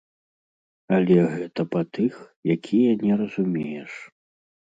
Але гэта па тых, якія не разумееш.